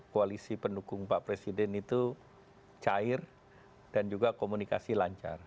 koalisi pendukung pak presiden itu cair dan juga komunikasi lancar